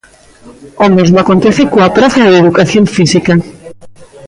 O mesmo acontece coa praza de Educación física.